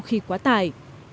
khi quá tải